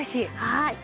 はい。